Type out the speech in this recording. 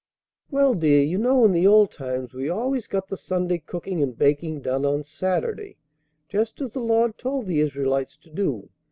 "Well, dear, you know in the old times we always got the Sunday cooking and baking done on Saturday, just as the Lord told the Israelites to do.